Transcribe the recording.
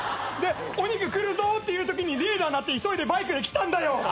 お肉来るぞっていうときにレーダー鳴って急いでバイクで来たんだよ。